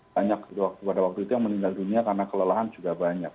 banyak pada waktu itu yang meninggal dunia karena kelelahan juga banyak